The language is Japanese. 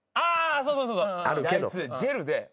そうそうそうそう。